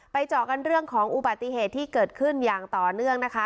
เจาะกันเรื่องของอุบัติเหตุที่เกิดขึ้นอย่างต่อเนื่องนะคะ